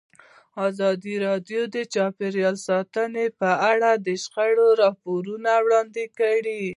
ازادي راډیو د چاپیریال ساتنه په اړه د شخړو راپورونه وړاندې کړي.